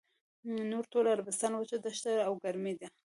نور ټول عربستان وچه دښته او ګرمي ده.